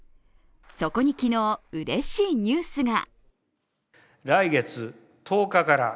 そこに昨日、うれしいニュースが。